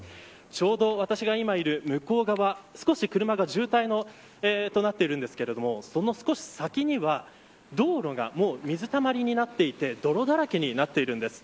ちょうど私が今いる向こう側、少し車が渋滞となっているんですがその少し先には道路が、もう水たまりになっていて泥だらけになっているんです。